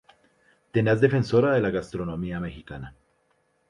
Tenaz defensora de la gastronomía mexicana.